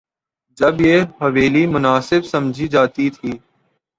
جب یہ حویلی مناسب سمجھی جاتی تھی۔